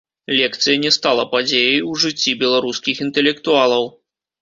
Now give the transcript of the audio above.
Лекцыя не стала падзеяй у жыцці беларускіх інтэлектуалаў.